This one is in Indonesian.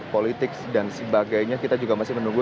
ketika ini kita masih menunggu